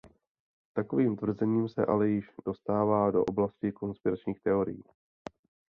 Takovým tvrzením se ale již dostává do oblasti konspiračních teorií.